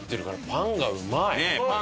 パンがうまい！